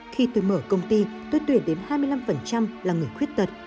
khi tôi mở công ty tôi tuyển đến hai mươi năm là người khuyết tật